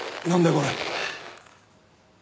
これ。